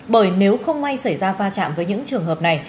bởi nếu không may xảy ra va chạm với những trường hợp này